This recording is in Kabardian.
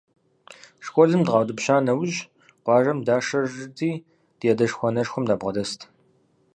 Школым дыкъаутӀыпща нэужь, къуажэм дашэжырти, ди адэшхуэ-анэшхуэм дабгъэдэст.